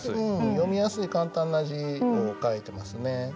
読みやすい簡単な字を書いてますね。